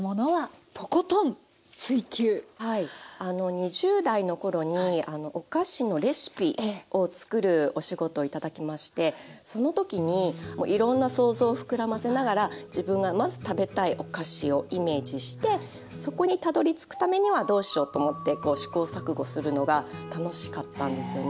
２０代の頃にお菓子のレシピを作るお仕事を頂きましてその時にいろんな想像を膨らませながら自分がまず食べたいお菓子をイメージしてそこにたどりつくためにはどうしようと思って試行錯誤するのが楽しかったんですよね。